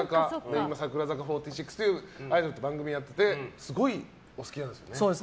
今、櫻坂４６というアイドルと番組をやっていてすごいお好きなんですよね。